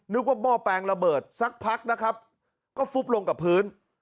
หม้อแปลงระเบิดสักพักนะครับก็ฟุบลงกับพื้น